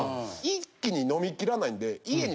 一気に飲み切らないんで。